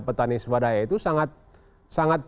petani swadaya itu sangat